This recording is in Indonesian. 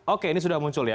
oke ini sudah muncul ya